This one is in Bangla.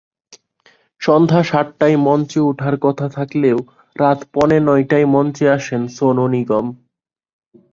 সন্ধ্যা সাতটায় মঞ্চে ওঠার কথা থাকলেও রাত পৌনে নয়টায় মঞ্চে আসেন সনু নিগম।